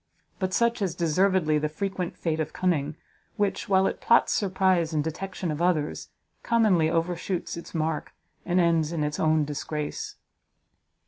But such is deservedly the frequent fate of cunning, which, while it plots surprise and detection of others, commonly overshoots its mark, and ends in its own disgrace.